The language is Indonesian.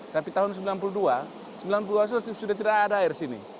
tapi tahun sembilan puluh dua sembilan puluh dua itu sudah tidak ada air di sini